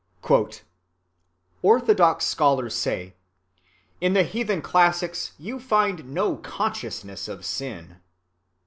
(35) "Orthodox scholars say: 'In the heathen classics you find no consciousness of sin.